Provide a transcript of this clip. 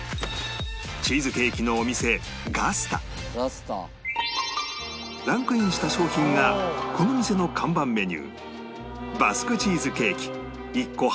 チーズケーキのお店ランクインした商品がこの店の看板メニュー